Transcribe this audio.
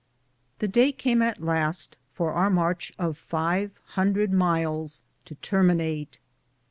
The day at last came for our march of ^ve hundred miles to terminate.